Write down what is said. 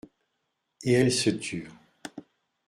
Et elles se turent.